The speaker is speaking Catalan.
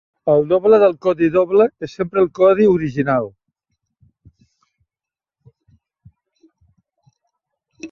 El doble del codi doble és sempre el codi original.